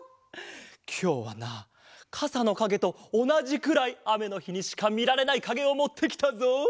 きょうはなかさのかげとおなじくらいあめのひにしかみられないかげをもってきたぞ！